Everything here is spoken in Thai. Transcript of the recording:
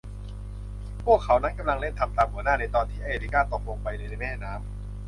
พวกเขานั้นกำลังเล่น ทำตามหัวหน้า ในตอนที่ เอริก้าตกลงไปในแม่น้ำ